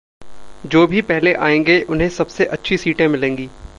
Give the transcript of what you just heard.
जो भी पहले आएँगे उन्हें सबसे अच्छी सीटें मिलेंगीं।